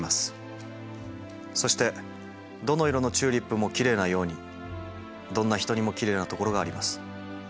そしてどの色のチューリップもきれいなようにどんな人にもきれいなところがあります。